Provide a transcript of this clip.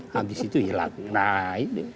habis itu hilang nah itu